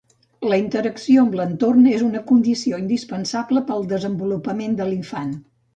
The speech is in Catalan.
La interacció amb l'entorn és una condició indispensable per al desenvolupament de l'infant.